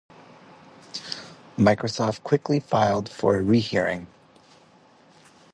Microsoft quickly filed for a rehearing.